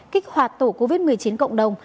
kích hoạt tổ covid một mươi chín cộng đồng